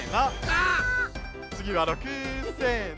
つぎは６せの！